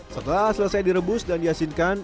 setelah selesai direbus dan diasinkan